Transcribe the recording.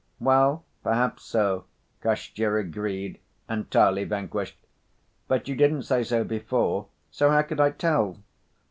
"Well, perhaps so," Kostya agreed, entirely vanquished. "But you didn't say so before. So how could I tell?"